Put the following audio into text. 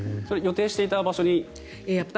それは予定していた場所に？